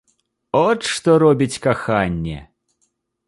От што робіць каханне!